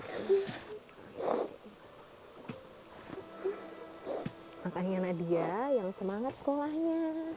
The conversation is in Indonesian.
makanya nadia yang semangat sekolahnya